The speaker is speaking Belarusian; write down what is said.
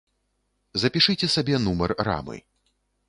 Запішыце сабе нумар рамы.